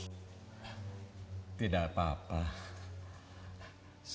saya persiapkan kakimu tuh mangsa